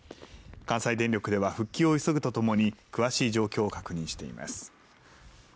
関西電力では復旧を急ぐとともに詳しい状況を確認しています。